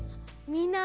みんな！